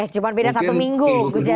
cuma beda satu minggu gus ya